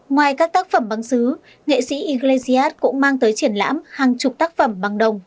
ngoài các tác phẩm băng xứ nghệ sĩ iglesias cũng mang tới triển lãm hàng chục tác phẩm băng đồng